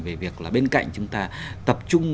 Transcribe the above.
về việc là bên cạnh chúng ta tập trung